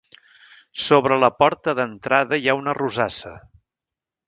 Sobre la porta d'entrada hi ha una rosassa.